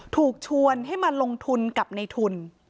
ถูกชวนให้มาลงทุนกับในทุน